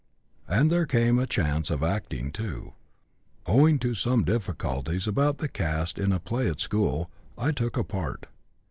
And there came a chance of acting too. Owing to some difficulties about the cast in a play at school, I took a part.